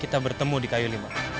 kita bertemu di kayu lima